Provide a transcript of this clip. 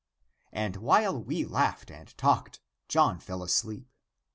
And while we laughed and talked, John fell asleep.